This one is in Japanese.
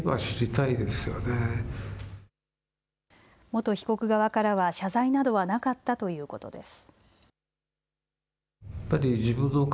元被告側からは謝罪などはなかったということです。